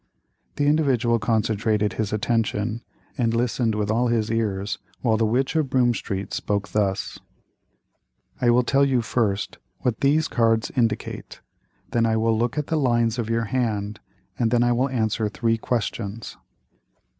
The Individual concentrated his attention, and listened with all his ears while the witch of Broome Street spoke thus: "I will tell you first what these cards indicate, then I will look at the lines of your hand, and then I will answer three questions."